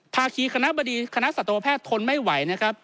ภาคีคณะบดีคณะสัตวแพทย์ทนไม่ไหวนะครับ